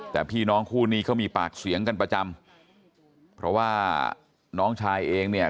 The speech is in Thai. แต่พี่น้องคู่นี้เขามีปากเสียงกันประจำเพราะว่าน้องชายเองเนี่ย